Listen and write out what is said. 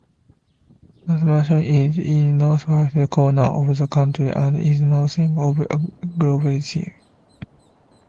Northampton is in the northeast corner of the county and is northeast of Gloversville.